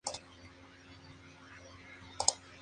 Él creyó que era un hueso de la quijada.